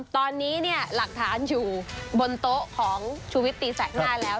ตอนนี้เนี่ยหลักฐานอยู่บนโต๊ะของชุวิตตีแสกหน้าแล้ว